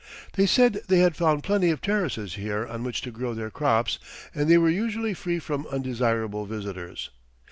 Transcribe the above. They said they had found plenty of terraces here on which to grow their crops and they were usually free from undesirable visitors.